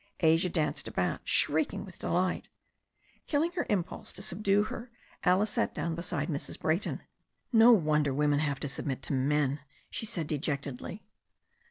Asia danced about, shrieking with delight. Killing her impulse to subdue her, Alice sat down beside Mrs. Brayton. "No wonder women have to submit to men," she said de jectedly.